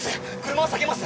車を下げます